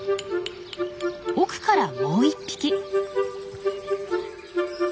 奥からもう１匹。